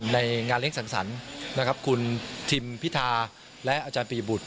ในงานเลี้ยสังสรรค์นะครับคุณทิมพิธาและอาจารย์ปียบุตร